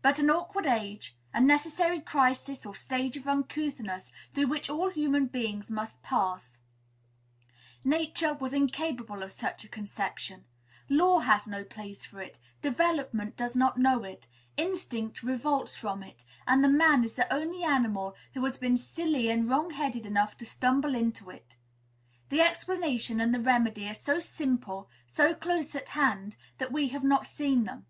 But an awkward age, a necessary crisis or stage of uncouthness, through which all human beings must pass, Nature was incapable of such a conception; law has no place for it; development does not know it; instinct revolts from it; and man is the only animal who has been silly and wrong headed enough to stumble into it. The explanation and the remedy are so simple, so close at hand, that we have not seen them.